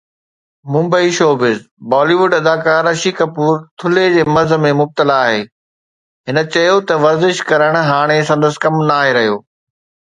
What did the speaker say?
Mumbai (showbiz news) Bollywood اداڪار رشي ڪپور ٿلهي جي مرض ۾ مبتلا آهي، هن چيو آهي ته ورزش ڪرڻ هاڻي سندس ڪم ناهي رهيو.